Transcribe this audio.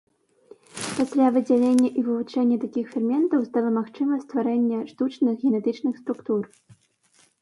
Пасля выдзялення і вывучэння такіх ферментаў стала магчыма стварэнне штучных генетычных структур.